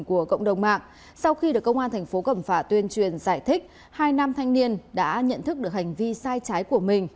của cộng đồng mạng sau khi được công an thành phố cẩm phả tuyên truyền giải thích hai nam thanh niên đã nhận thức được hành vi sai trái của mình